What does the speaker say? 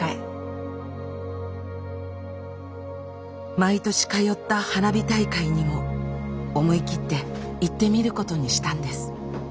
毎年通った花火大会にも思い切って行ってみることにしたんです。